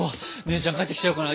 姉ちゃん帰ってきちゃうかな。